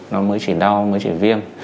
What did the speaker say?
nó mới chỉ đau mới chỉ viêm